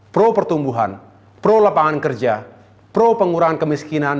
pro pertumbuhan pro lapangan kerja pro pengurangan kemiskinan